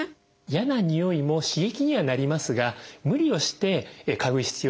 嫌なにおいも刺激にはなりますが無理をして嗅ぐ必要まではありません。